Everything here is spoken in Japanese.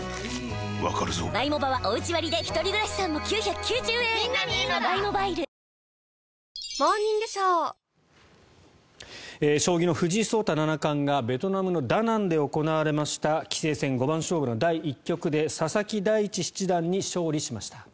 わかるぞ将棋の藤井聡太七冠がベトナムのダナンで行われました棋聖戦五番勝負の第１局で佐々木大地七段に勝利しました。